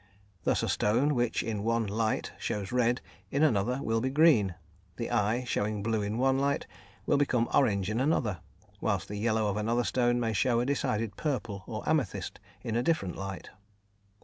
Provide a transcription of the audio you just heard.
Thus, a stone which in one light shows red, in another will be green; the "eye" showing blue in one light will become orange in another; whilst the yellow of another stone may show a decided purple or amethyst in a different light.